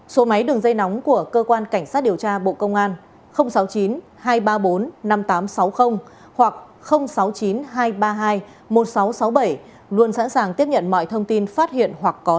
số máy đường dây nóng của cơ quan cảnh sát điều tra bộ công an sáu mươi chín hai trăm ba mươi bốn năm nghìn tám trăm sáu mươi hoặc sáu mươi chín hai trăm ba mươi bốn năm nghìn tám trăm sáu mươi